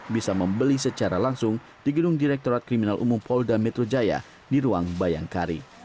bisa membeli secara langsung di gedung direktorat kriminal umum polda metro jaya di ruang bayangkari